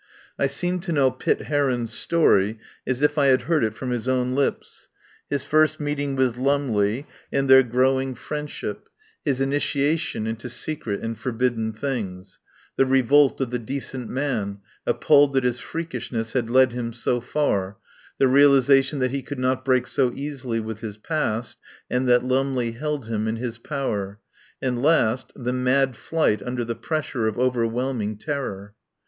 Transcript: I seemed to know Pitt Heron's story as if I had heard it from his own lips — his first meeting with Lumley and their growing 87 ' THE POWER HOUSE friendship; his initiation into secret and for bidden things; the revolt of the decent man, appalled that his freakishness had led him so far; the realisation that he could not break so easily with his past, and that Lumley held him in his power; and last, the mad flight under the pressure of overwhelming terror.